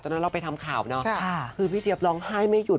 ตอนนี้เราไปทำข่าวล่ะคือพี่เจี๊ยบหลงไห้ไม่หยุด